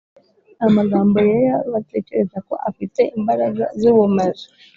amagambo yera, batekereza ko afite imbaraga z’ubumaji